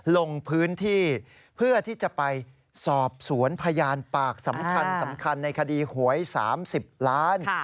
ลงพื้นที่เพื่อที่จะไปสอบสวนพยานปากสำคัญสำคัญในคดีหวย๓๐ล้าน